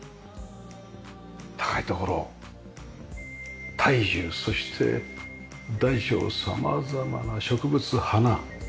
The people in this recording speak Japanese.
高い所大樹そして大小様々な植物花。